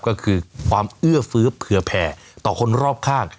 ก็คือความเอื้อฟื้อเผื่อแผ่ต่อคนรอบข้าง